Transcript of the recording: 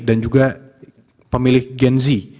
dan juga pemilih gen z